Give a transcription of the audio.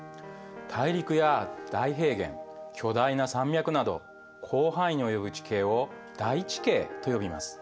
大陸や大平原巨大な山脈など広範囲に及ぶ地形を大地形と呼びます。